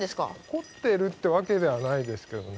怒ってるってわけではないですけどね。